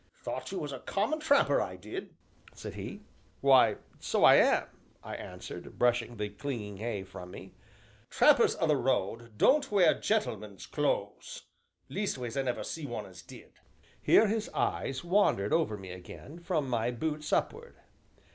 "Thought you was a common tramper, I did," said he. "Why, so I am," I answered, brushing the clinging hay from me. "Trampers o' the road don't wear gentlemen's clothes leastways, I never see one as did." Here his eyes wandered over me again, from my boots upward.